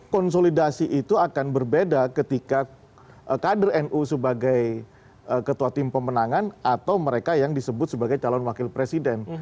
konsolidasi itu akan berbeda ketika kader nu sebagai ketua tim pemenangan atau mereka yang disebut sebagai calon wakil presiden